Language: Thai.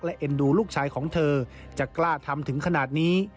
และเอ็นดูลูกชายของเธอจะกล้าทำถึงขนาดนี้